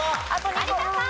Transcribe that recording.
有田さん。